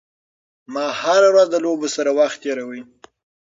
ما هره ورځ د لوبو سره وخت تېراوه.